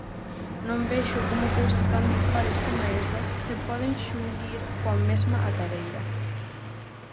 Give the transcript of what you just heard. Non vexo como cousas tan dispares coma esas se poden xunguir coa mesma atadeira.